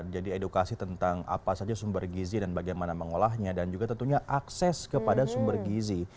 jadi edukasi tentang apa saja sumber gizi dan bagaimana mengolahnya dan juga tentunya akses kepada sumber gizi